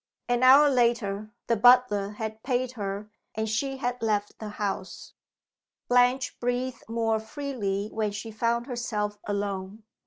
An hour later the butler had paid her, and she had left the house. Blanche breathed more freely when she found herself alone.